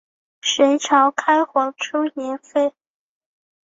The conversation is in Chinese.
隋朝开皇初年废。